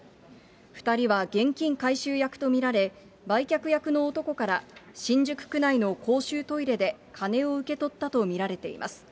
２人は現金回収役と見られ、売却役の男から新宿区内の公衆トイレで金を受け取ったと見られています。